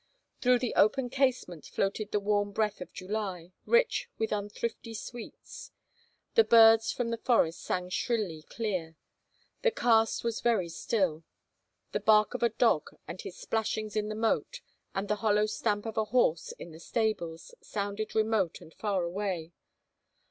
Through the open casement floated the warm breath of July, rich with unthrifty sweets; the birds from the forest sang shrilly clear. The castle was very still. The bark of a dog and his splashings in the moat, and the hollow stamp of a horse in the stables, sounded remote and far away.